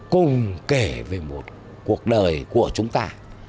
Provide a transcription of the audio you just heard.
cùng kể về một cuộc đời của chúng ta